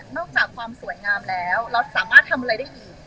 จากความสวยงามแล้วเราสามารถทำอะไรได้อีก